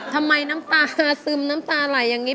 น้ำตาซึมน้ำตาไหลอย่างนี้